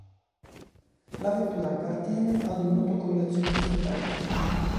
La vettura appartiene ad un noto collezionista italiano.